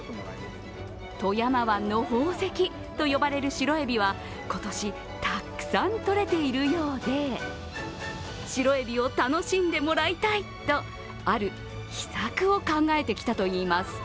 富山湾の宝石と呼ばれる白えびは今年、たくさんとれているようで、白えびを楽しんでもらいたいとある秘策を考えてきたといいます。